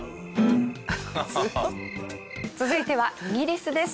続いてはイギリスです。